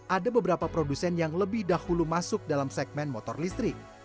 ada beberapa produsen yang lebih dahulu masuk dalam segmen motor listrik